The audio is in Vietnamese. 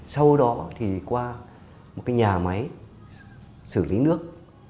sau đó thì qua một cái nhà máy xử lý nước